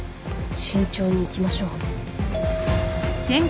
慎重にいきましょう。